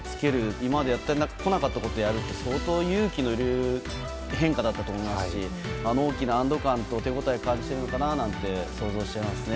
今までやってこなかったことをやるって相当勇気のいる変化だったと思いますし大きな安ど感と手ごたえを感じているのかなと想像しちゃいますね。